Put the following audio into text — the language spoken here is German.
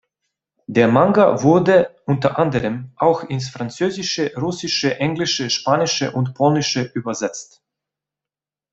Der Manga wurde unter anderem auch ins Französische, Russische, Englische, Spanische und Polnische übersetzt.